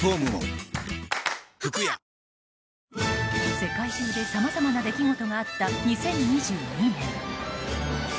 世界中でさまざまな出来事があった２０２２年。